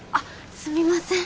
すみません